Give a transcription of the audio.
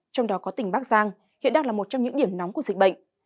trong đó có tỉnh bắc giang hiện đang là một trong những điểm nóng của dịch bệnh